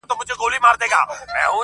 o د مړو کله په قيامت رضا نه وه.